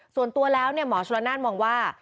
ส่วนตัวแล้วหมอชลนานมองว่า